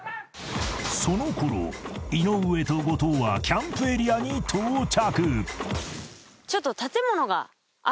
［そのころ井上と後藤はキャンプエリアに到着］